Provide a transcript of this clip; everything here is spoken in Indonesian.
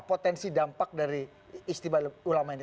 potensi dampak dari istimewa ulama ini